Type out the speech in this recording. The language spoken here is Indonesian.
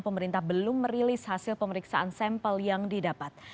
pemerintah belum merilis hasil pemeriksaan sampel yang didapat